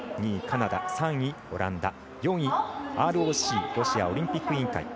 ２位、カナダ、３位、オランダ４位、ＲＯＣ＝ロシアオリンピック委員会。